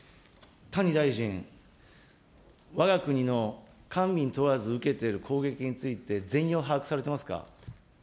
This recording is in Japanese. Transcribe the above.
谷大臣、わが国の官民問わず受けている攻撃について、全容を把握されてますか。